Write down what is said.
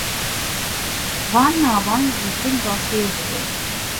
Van navan ji dil ve fêr bibe.